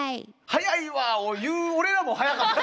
「早いわ！」を言う俺らも早かった。